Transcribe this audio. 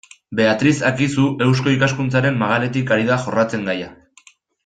Beatriz Akizu Eusko Ikaskuntzaren magaletik ari da jorratzen gaia.